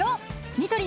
ニトリ